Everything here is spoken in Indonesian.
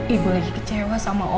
ibu lagi kecewa sama orang